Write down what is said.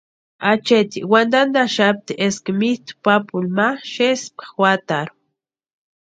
Acheeti wantantaxapti eska mitʼu papuni ma xespka juatarhu.